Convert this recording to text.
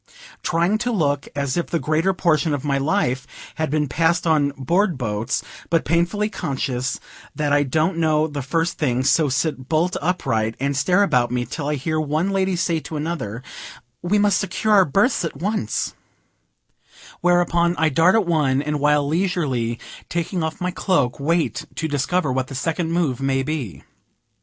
Trying to look as if the greater portion of my life had been passed on board boats, but painfully conscious that I don't know the first thing; so sit bolt upright, and stare about me till I hear one lady say to another "We must secure our berths at once;" whereupon I dart at one, and, while leisurely taking off my cloak, wait to discover what the second move may be.